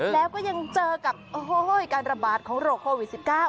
แล้วก็ยังเจอกับการระบาดของโรคโควิด๑๙